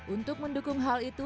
untuk mendukung hal itu